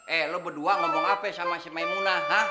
eh lo berdua ngomong apa sama si maimunah ha